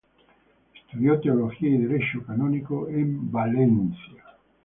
Estudió Teología y Derecho Canónico en Valencia.